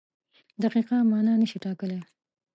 دقیقه مانا نشي ټاکلی.